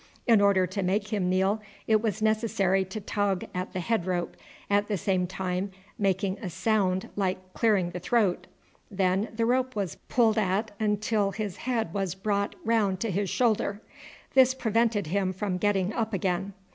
In order to make him kneel it was necessary to tug at the head rope, at the same time making a sound like clearing the throat. Then the rope was pulled at until his head was brought round to his shoulder. This prevented him from getting up again.